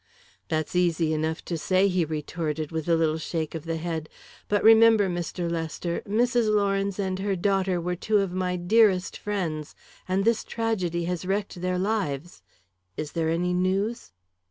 "That's easy enough to say," he retorted, with a little shake of the head. "But remember, Mr. Lester, Mrs. Lawrence and her daughter were two of my dearest friends. And this tragedy has wrecked their lives. Is there any news?"